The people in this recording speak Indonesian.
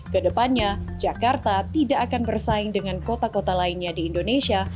kedepannya jakarta tidak akan bersaing dengan kota kota lainnya di indonesia